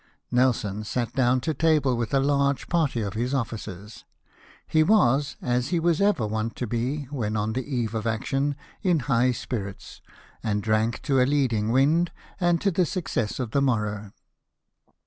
Nelson sat down to table with a large party of his oflicers ; he was, as he was ever wont to be when on the eve of action, in high spirits, and drank to a leading wind, and to the success of the morrow.